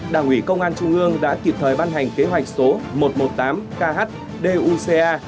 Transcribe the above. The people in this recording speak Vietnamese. đảng ủy công an trung ương đã kịp thời ban hành kế hoạch số một trăm một mươi tám khduca